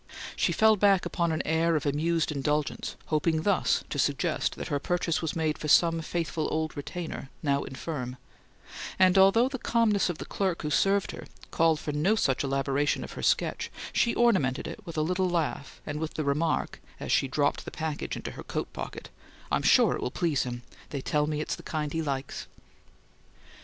She fell back upon an air of amused indulgence, hoping thus to suggest that her purchase was made for some faithful old retainer, now infirm; and although the calmness of the clerk who served her called for no such elaboration of her sketch, she ornamented it with a little laugh and with the remark, as she dropped the package into her coat pocket, "I'm sure it'll please him; they tell me it's the kind he likes."